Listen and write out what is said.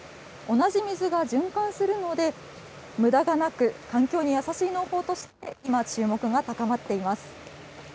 同じ水が循環するので、むだがなく、環境に優しい農法として、今、注目が高まっています。